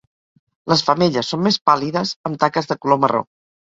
Les femelles són més pàl·lides, amb taques de color marró.